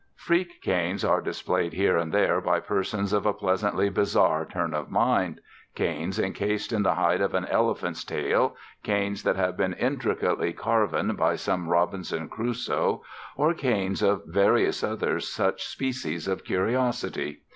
Freak canes are displayed here and there by persons of a pleasantly bizarre turn of mind: canes encased in the hide of an elephant's tail, canes that have been intricately carven by some Robinson Crusoe, or canes of various other such species of curiosity.